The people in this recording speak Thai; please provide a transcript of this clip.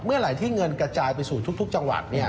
เมื่อไหร่ที่เงินกระจายไปสู่ทุกจังหวัด